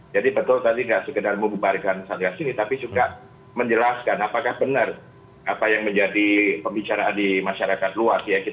jadi betul tadi nggak sekedar membuarkan satgas ini tapi juga menjelaskan apakah benar apa yang menjadi pembicaraan di masyarakat luas